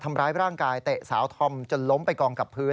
ทำร้ายร่างกายเตะสาวธอมจนล้มไปกองกับพื้น